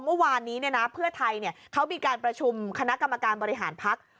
เมื่อวานนี้เพื่อไทยเขามีการประชุมคณะกรรมการบริหารพัก